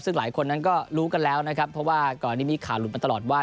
ซึ่งหลายคนนั้นก็รู้กันแล้วนะครับเพราะว่าก่อนนี้มีข่าวหลุดมาตลอดว่า